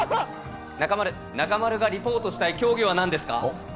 中丸、中丸がリポートしたい競技はなんですか？